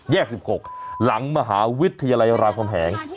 แยกสิบหกหลังมหาวิทยาลัยราวความแห่ง